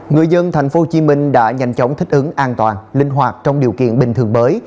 người dân tp hcm đã nhanh chóng thích ứng an toàn linh hoạt trong điều kiện bình thường mới